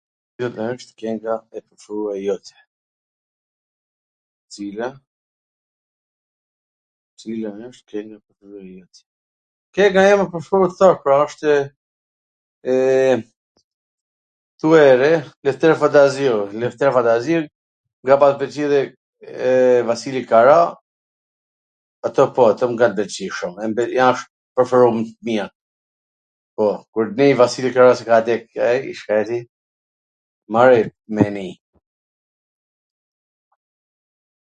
Cila wsht kwnga e preferuar e jotja? Kenga ime e preferuar thash pra ashtw eeee thuaje re Lefter Pantaziu, Lefter Pantaziu, kam pas pwlqy edhe Vasili Kara, ato po, ato m kan pwlqy shum, ... asht preferum t miat, po, kur t vij Vasilis Karas qw ka dek i shkreti maroi me rini...